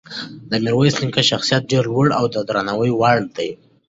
د میرویس نیکه شخصیت ډېر لوړ او د درناوي وړ دی.